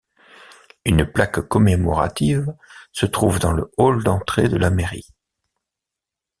Une plaque commémorative se trouve dans le hall d'entrée de la mairie.